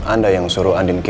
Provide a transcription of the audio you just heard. anda yang suruh andi mikirkan